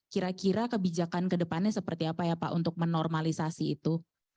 kira kira kebijakan kedepannya seperti apa ya pak untuk menormalisasi itu